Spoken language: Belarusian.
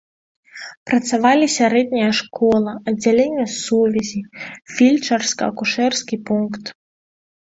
Працавалі сярэдняя школа, аддзяленне сувязі, фельчарска-акушэрскі пункт.